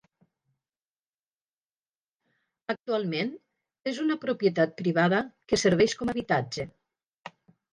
Actualment és una propietat privada que serveix com a habitatge.